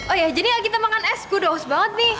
oh ya jadi gak kita makan es gue udah aus banget nih